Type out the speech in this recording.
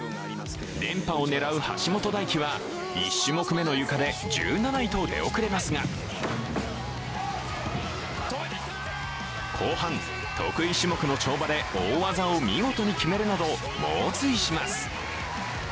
連覇を狙う橋本大輝は、１種目めのゆかで１７位と出遅れますが後半、得意種目の跳馬で大技を見事に決めるなど猛追します。